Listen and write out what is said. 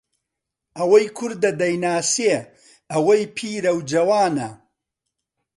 ئەوەی کوردە دەیناسێ ئەوەی پیرەو جەوانە